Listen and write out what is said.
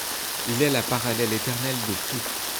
Il est la parallèle éternelle de tout ;